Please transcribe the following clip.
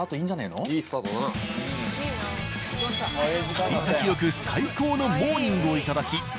さい先よく最高のモーニングをいただき